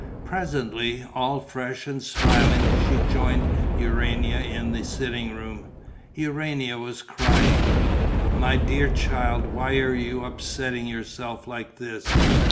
Presently, all fresh and smiling, she joined Urania in the sitting room. Urania was crying. "My dear child, why are you upsetting yourself like this?